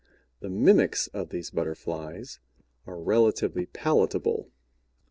The mimics of these Butterflies are relatively palatable.